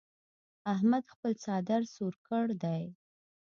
احمد خپل څادر سور کړ دی.